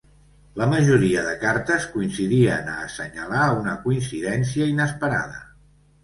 La majoria de cartes coincidien a assenyalar una coincidència inesperada.